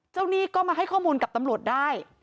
หนี้ก็มาให้ข้อมูลกับตำรวจได้